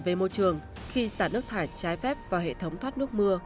xử phạm về môi trường khi xả nước thải trái phép vào hệ thống thoát nước mưa